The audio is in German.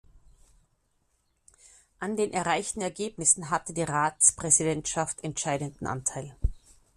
An den erreichten Ergebnissen hatte die Ratspräsidentschaft entscheidenden Anteil.